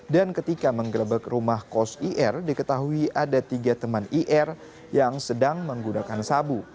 dan ketika menggebek rumah kos ir diketahui ada tiga teman ir yang sedang menggunakan sabu